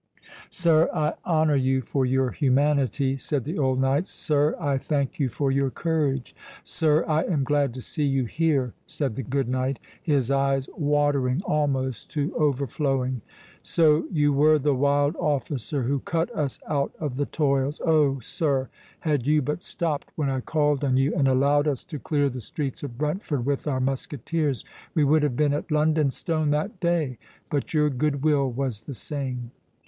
"Sir, I honour you for your humanity," said the old knight—"Sir, I thank you for your courage—Sir, I am glad to see you here," said the good knight, his eyes watering almost to overflowing. "So you were the wild officer who cut us out of the toils; Oh, sir, had you but stopped when I called on you, and allowed us to clear the streets of Brentford with our musketeers, we would have been at London Stone that day! But your good will was the same."